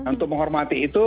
untuk menghormati itu